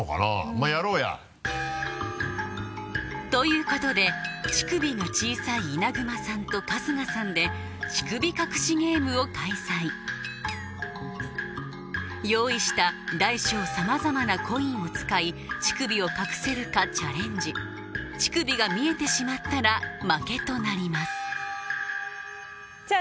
まぁやろうや。ということで乳首が小さい稲熊さんと春日さんで乳首隠しゲームを開催用意した大小さまざまなコインを使い乳首を隠せるかチャレンジ乳首が見えてしまったら負けとなりますじゃあ